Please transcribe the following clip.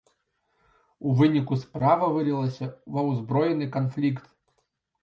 У выніку справа вылілася ва ўзброены канфлікт.